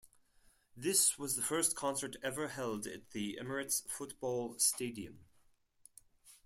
This was the first concert ever held at the Emirates Football Stadium.